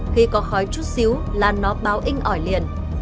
khi có khói chút xíu là nó báo in ỏi liền